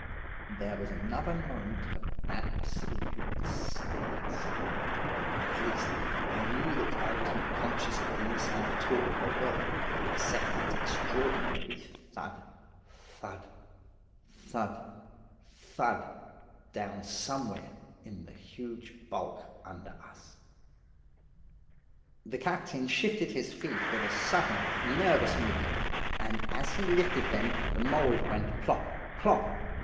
There was another moment of absolute silence, at least, I knew that I was not conscious of any sound at all in all the world, except that extraordinary thud, thud, thud, thud, down somewhere in the huge bulk under us. "The captain shifted his feet with a sudden, nervous movement, and as he lifted them the mould went plop, plop!